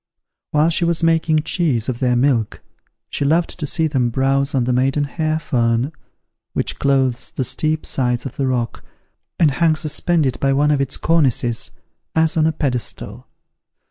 While she was making cheeses of their milk, she loved to see them browse on the maiden hair fern which clothes the steep sides of the rock, and hung suspended by one of its cornices, as on a pedestal.